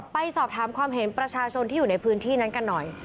ไปสอบถามความเห็นประชาชนที่อยู่ในพื้นที่นั้นกันหน่อย